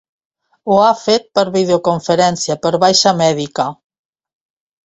Ho ha fet per videoconferència per baixa mèdica.